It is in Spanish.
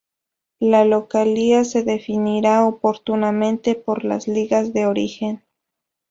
La localía se definirá oportunamente por las ligas de origen.